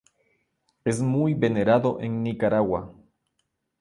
Es muy venerado en Nicaragua.